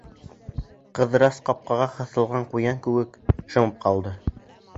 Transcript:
Ҡыҙырас, ҡапҡанға ҡыҫылған ҡуян кеүек, шымып ҡалды.